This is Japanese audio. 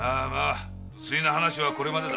不粋な話はこれまでだ。